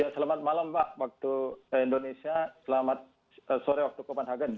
selamat malam pak waktu indonesia selamat sore waktu kopenhagen